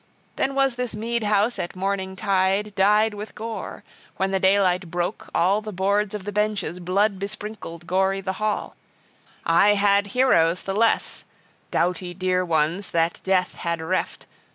Then was this mead house at morning tide dyed with gore, when the daylight broke, all the boards of the benches blood besprinkled, gory the hall: I had heroes the less, doughty dear ones that death had reft.